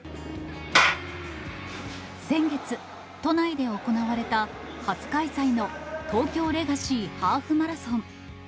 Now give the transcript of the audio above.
先月、都内で行われた初開催の東京レガシーハーフマラソン。